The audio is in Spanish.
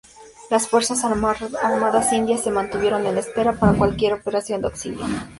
Las fuerzas armadas indias se mantuvieron en espera para cualquier operación de auxilio.